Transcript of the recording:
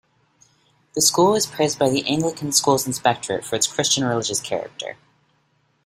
The school was praised by the Anglican schools inspectorate for its Christian religious character.